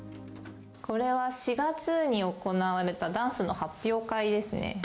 これは４月に行われたダンスの発表会ですね。